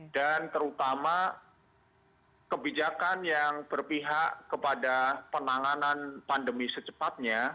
dan terutama kebijakan yang berpihak kepada penanganan pandemi secepatnya